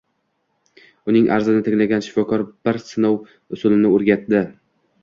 Uning arzini tinglagan shifokor bir sinov usulini oʻrgatdi